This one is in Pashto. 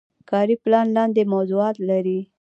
کاري پلان لاندې موضوعات لري.